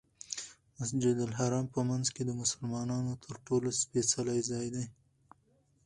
مسجدالحرام په منځ کې د مسلمانانو تر ټولو سپېڅلی ځای دی.